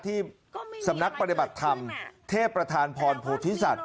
ที่สำนักปฏิบัติธรรมเทพประธานพรโพธิสัตว